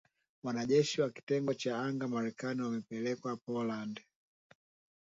Wanajeshi wa kitengo cha anga Marekani wamepelekwa Poland